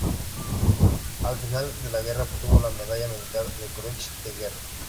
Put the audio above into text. Al final de la guerra, obtuvo la Medalla Militar, la "Croix de Guerre".